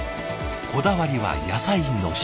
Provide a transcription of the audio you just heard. こだわりは野菜の下。